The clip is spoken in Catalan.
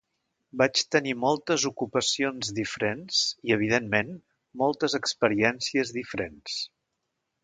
Vaig tenir moltes ocupacions diferents i, evidentment, moltes experiències diferents.